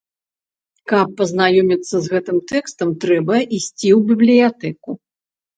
Каб пазнаёміцца з гэтым тэкстам, трэба ісці ў бібліятэку.